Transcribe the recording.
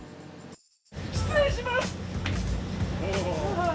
失礼します！